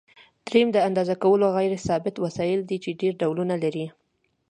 دریم د اندازه کولو غیر ثابت وسایل دي چې ډېر ډولونه لري.